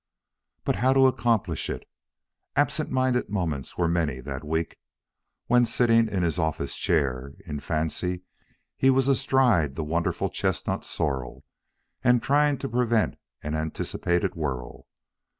But how to accomplish it? Absent minded moments were many that week, when, sitting in his office chair, in fancy he was astride the wonderful chestnut sorrel and trying to prevent an anticipated whirl.